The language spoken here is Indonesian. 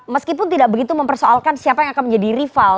meskipun tidak begitu mempersoalkan siapa yang akan menjadi rival